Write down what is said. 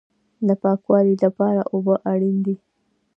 د پاکوالي لپاره اوبه اړین دي